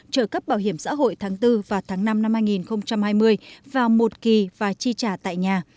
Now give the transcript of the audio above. trợ cấp bảo hiểm xã hội tháng bốn và tháng năm năm hai nghìn hai mươi vào một kỳ và chi trả tại nhà